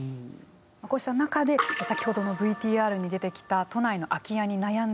こうした中で先ほどのＶＴＲに出てきた都内の空き家に悩んでいた男性